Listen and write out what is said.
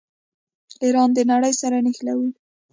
ایران د نړۍ سره نښلوي.